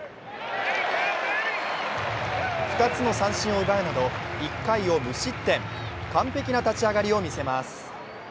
２つの三振を奪うなど１回を無失点、完璧な立ち上がりを見せます。